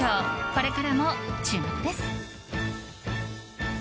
これからも注目です！